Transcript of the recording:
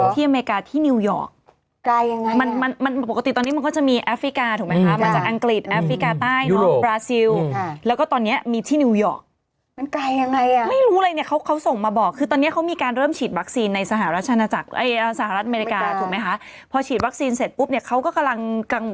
ที่อเมริกาที่นิวยอร์กมันปกติตอนนี้มันก็จะมีแอฟริกาถูกไหมคะมันจะอังกฤษแอฟริกาใต้อังกฤษอังกฤษอังกฤษอังกฤษอังกฤษอังกฤษอังกฤษอังกฤษอังกฤษอังกฤษอังกฤษอังกฤษอังกฤษอังกฤษอังกฤษอังกฤ